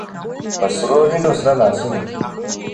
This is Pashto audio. • په سرو وينو سره لاسونه -